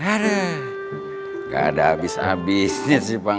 gak ada abis abisnya sih panggilan